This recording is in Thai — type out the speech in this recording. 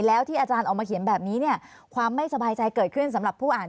แล้วที่อาจารย์ออกมาเขียนแบบนี้เนี่ยความไม่สบายใจเกิดขึ้นสำหรับผู้อ่าน